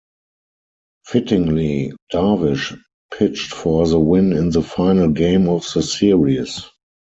Fittingly, Darvish pitched for the win in the final game of the series.